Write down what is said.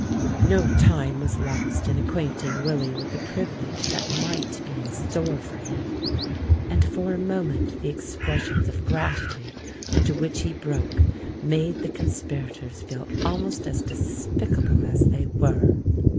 No time was lost in acquainting Willy with the privilege that might be in store for him; and for a moment the expressions of gratitude into which he broke made the conspirators feel almost as despicable as they were.